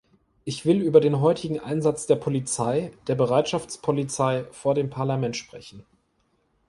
Ich will über den heutigen Einsatz der Polizei, der Bereitschaftspolizei, vor dem Parlament sprechen.